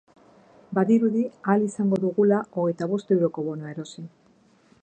Badirudi ahal izango dugula hogeita bost euroko bonua erosi.